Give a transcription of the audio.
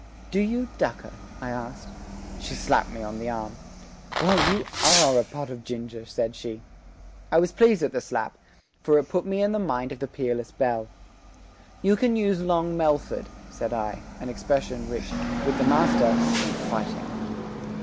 "Do you dukker?" I asked. She slapped me on the arm. "Well, you are a pot of ginger!" said she. I was pleased at the slap, for it put me in mind of the peerless Belle. "You can use Long Melford," said I, an expression which, with the master, meant fighting.